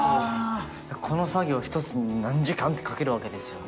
この作業一つに何時間ってかけるわけですよね。